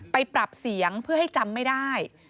ไปปรับเสียงเพื่อให้จำไม่ได้